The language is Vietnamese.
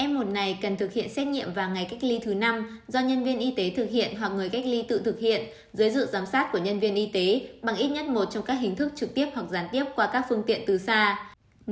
f một này cần thực hiện xét nghiệm và ngày cách ly thứ năm do nhân viên y tế thực hiện hoặc người cách ly tự thực hiện dưới sự giám sát của nhân viên y tế bằng ít nhất một trong các hình thức trực tiếp hoặc gián tiếp qua các phương tiện từ xa